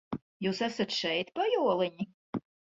Jūs esat šeit, pajoliņi?